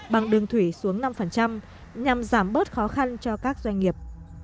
bằng đường thủy xuống năm nhằm giảm bớt khó khăn cho các doanh nghiệp